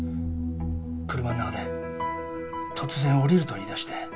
車の中で突然降りると言いだして。